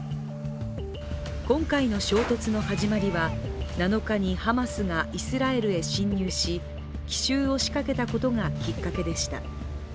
今回の衝突の始まりは７日にハマスがイスラエルへ侵入し奇襲を仕掛けたことがきっかけでした。